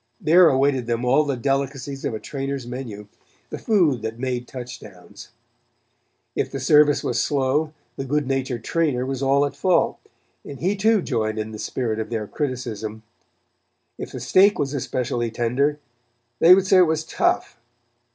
There awaited them all the delicacies of a trainer's menu; the food that made touchdowns. If the service was slow, the good natured trainer was all at fault, and he too joined in the spirit of their criticism. If the steak was especially tender, they would say it was tough.